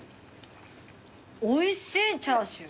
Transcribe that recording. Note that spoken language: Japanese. おいしいチャーシュー。